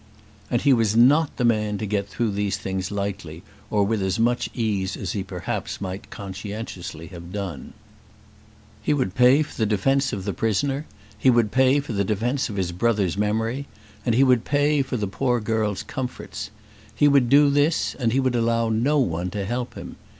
And he was not the man to get through these things lightly, or with as much ease as he perhaps might conscientiously have done. He would pay for the defence of the prisoner; he would pay for the defence of his brother's memory; and he would pay for the poor girl's comforts. He would do this, and he would allow no one to help him.